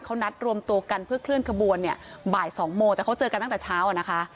เขานัดรวมตัวกันเพื่อเคลื่อนขบวนเนี่ยบ่ายสองโมงแต่เขาเจอกันตั้งแต่เช้าอ่ะนะคะ